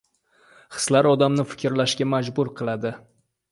Hislar odamni fikrlashga majbur qiladi.